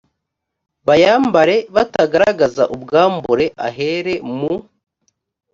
bayambare batagaragaza ubwambure ahere mu